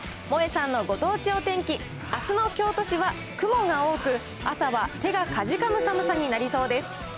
もえさんのご当地お天気、あすの京都市は、雲が多く、朝は手がかじかむ寒さになりそうです。